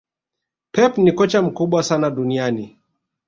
pep ni kocha mkubwa sana duniani